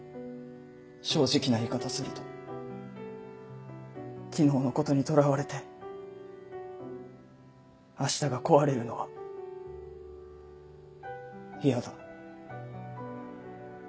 正直な言い方すると昨日のことにとらわれて明日が壊れるのは嫌だ。